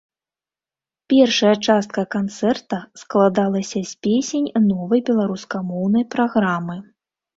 Першая частка канцэрта складалася з песень новай беларускамоўнай праграмы.